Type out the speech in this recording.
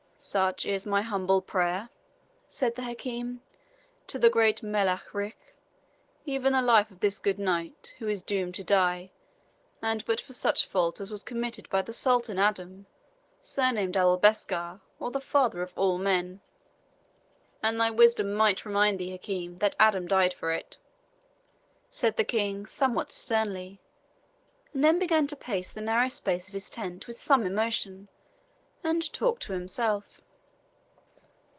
"Such is my humble prayer," said the Hakim, "to the great Melech Ric even the life of this good knight, who is doomed to die, and but for such fault as was committed by the Sultan Adam, surnamed Aboulbeschar, or the father of all men." "And thy wisdom might remind thee, Hakim, that Adam died for it," said the King, somewhat sternly, and then began to pace the narrow space of his tent with some emotion, and to talk to himself.